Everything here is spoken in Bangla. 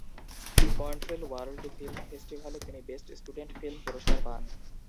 মন্ট্রিল ওয়ার্ল্ড ফিল্ম ফেস্টিভালে তিনি "বেস্ট স্টুডেন্ট ফিল্ম" পুরস্কার পান।